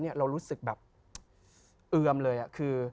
เรารู้สึกแบบเอือมเลยคือ